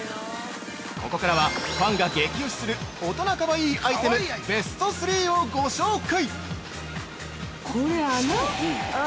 ここからは、ファンが激推しする大人かわいいアイテムベスト３をご紹介！